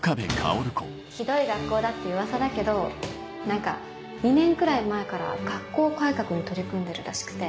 ひどい学校だって噂だけど何か２年くらい前から学校改革に取り組んでるらしくて。